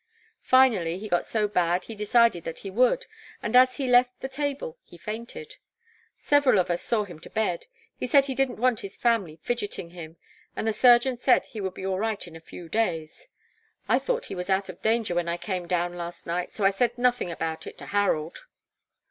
Finally he got so bad he decided that he would, and as he left the table he fainted. Several of us saw him to bed. He said he didn't want his family fidgeting him, and the surgeon said he would be all right in a few days. I thought he was out of danger when I came down last night, so said nothing about it to Harold."